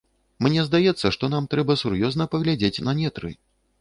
Мне здаецца, што нам трэба сур'ёзна паглядзець на нетры.